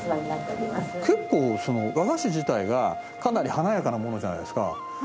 結構和菓子自体がかなり華やかなものじゃないですか。